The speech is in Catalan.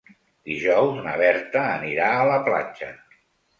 Dijous na Berta anirà a la platja.